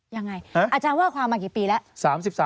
ยังไงอาจารย์ว่าความมากี่ปีแล้ว